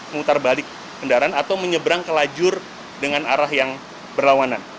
mutar balik kendaraan atau menyeberang ke lajur dengan arah yang berlawanan